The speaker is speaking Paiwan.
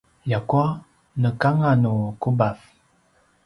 ljakua nekanganu kubav